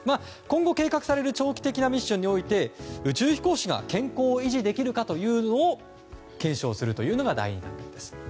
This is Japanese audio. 今後計画される長期的なミッションにおいて宇宙飛行士が健康を維持できるかを検証するのが来年になります。